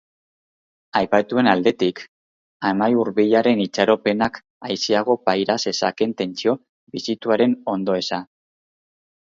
Aipatuen aldetik, amai hurbilaren itxaropenak aiseago paira zezakeen tentsio bizituaren ondoeza.